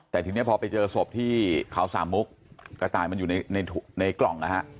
แต่ทีนี้พอไปเจอศพที่เขาสามมุกกระต่ายมันอยู่ในกล่องนะฮะ